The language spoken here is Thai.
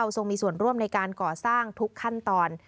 ทรงมีส่วนร่วมในการก่อสร้างทุกขั้นตอน